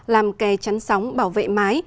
làm kè chắn sóng bảo vệ mái